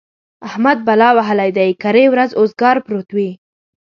احمد بلا وهلی دی؛ کرۍ ورځ اوزګار پروت وي.